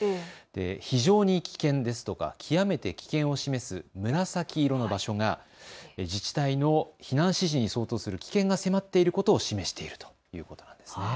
非常に危険ですとか極めて危険を示す紫色の場所が自治体の避難指示に相当する危険が迫っていることを示しているということです。